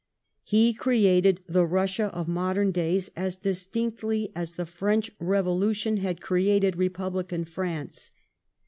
He created the Eussia of modern days as distinctly as the French Eevolution has created Eepublican France.